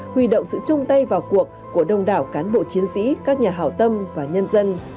huy động sự chung tay vào cuộc của đông đảo cán bộ chiến sĩ các nhà hảo tâm và nhân dân